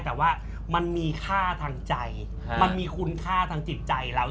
แต่ว่ามันมีค่าทางใจมันมีคุณค่าทางจิตใจเรา